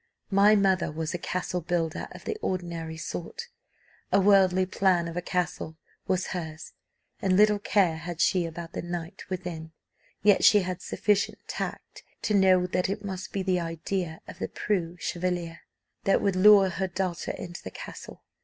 My mother was a castle builder of the ordinary sort: a worldly plan of a castle was hers, and little care had she about the knight within; yet she had sufficient tact to know that it must be the idea of the preux chevalier that would lure her daughter into the castle.